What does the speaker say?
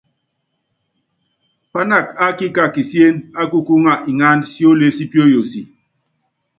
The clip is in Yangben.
Pának ábííka kisién á kukúúŋa iŋánd sióle sí píóyosi.